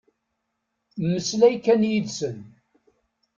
Mmeslay kan yid-sen.